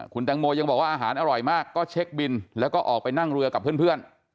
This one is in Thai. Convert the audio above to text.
คุณแตงโมยังบอกว่าอาหารอร่อยมากก็เช็คบินแล้วก็ออกไปนั่งเรือกับเพื่อน